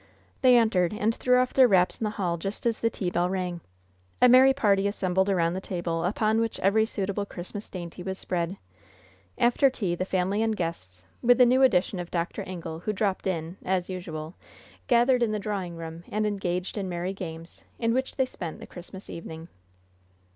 They entered, and threw off their wraps in the hall, just as the tea bell rang. A merry party assembled around the table, upon which every suitable Christmas dainty was spread. After tea the family and guests, with the new addition of Dr. Ingle who dropped in, as usual gathered in the drawing room, and engaged in merry games, in which they spent the Christmas evening.